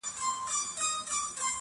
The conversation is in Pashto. • اې د قوتي زلفو مېرمني در نه ځمه سهار.